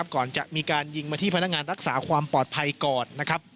ก่อนจะมีการยิงมาที่พนักงานรักษาความปลอดภัยก่อนนะครับ